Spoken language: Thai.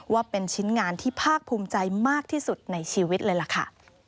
ว่าเป็นชิ้นงานที่ภาคภูมิใจมากที่สุดในชีวิตเลยล่ะค่ะ